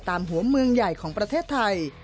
หัวเมืองใหญ่ของประเทศไทย